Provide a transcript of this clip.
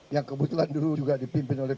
yang kebetulan dulu juga dipimpin oleh